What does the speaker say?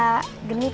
belum bisa genit